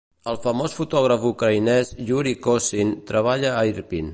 El famós fotògraf ucraïnès Yuri Kosin treballa a Irpin.